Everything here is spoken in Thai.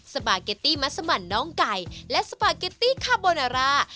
สปาเกตตี้มัสมันน้องไก่และสปาเกตตี้คาโบนาร่า